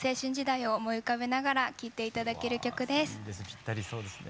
ぴったりそうですね。